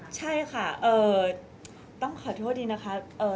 ใช่ค่ะต้องขอโทษดีนะคะ